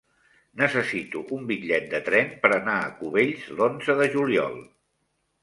Necessito un bitllet de tren per anar a Cubells l'onze de juliol.